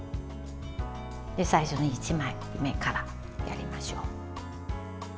最初の１枚目からやりましょう。